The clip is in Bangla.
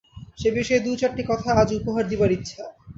সে-বিষয়ে দু-চারটি কথা আজ উপহার দিবার ইচ্ছা।